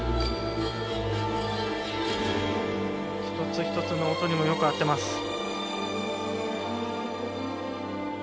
一つ一つの音にもよく合っています。